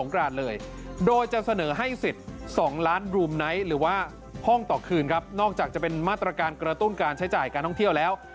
กระตุ้นการใช้จ่ายการท่องเที่ยวแล้ว